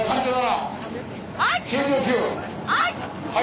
はい！